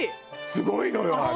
すごいのよあれ！